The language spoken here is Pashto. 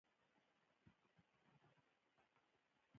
د شاته پاتې خلکو سره د همدردۍ سره مخ شئ.